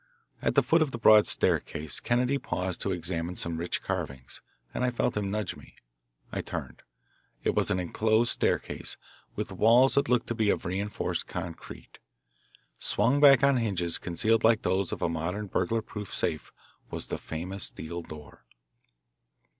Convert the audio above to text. At the foot of the broad staircase Kennedy paused to examine some rich carvings, and I felt him nudge me. I turned. It was an enclosed staircase, with walls that looked to be of re enforced concrete. Swung back on hinges concealed like those of a modern burglar proof safe was the famous steel door.